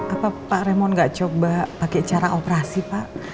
apa pak remond gak coba pakai cara operasi pak